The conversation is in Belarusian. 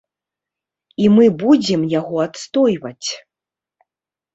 І мы будзем яго адстойваць!